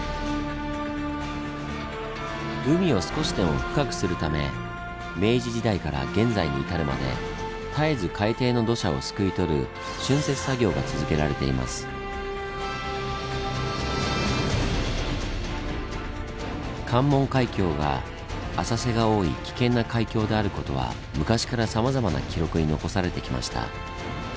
海を少しでも深くするため明治時代から現在に至るまで絶えず海底の土砂をすくい取る関門海峡が浅瀬が多い危険な海峡である事は昔からさまざまな記録に残されてきました。